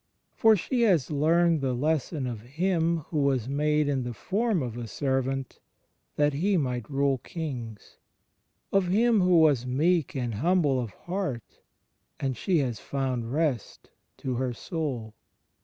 For she has learned the lesson of Him who was made in the form of a servant that He might rule kings — of Him who was meek and humble of heart — and she has found rest to her soul.